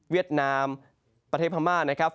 เวียดนามประเทศพม่านะครับ